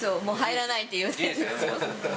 もう入らないっていうんです